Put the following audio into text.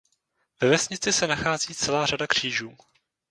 Ve vesnici se nachází celá řada křížů.